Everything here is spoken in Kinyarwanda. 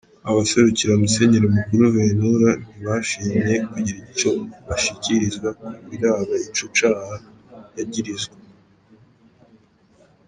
Abaserukira musenyeri mukuru Ventura ntibashimye kugira ico bashikiriza ku biraba ico caha yagirizwa.